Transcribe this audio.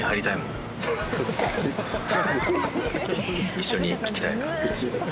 一緒に聞きたいな。